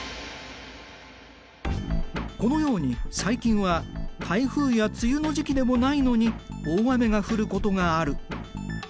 このように最近は台風や梅雨の時期でもないのに大雨が降ることがある。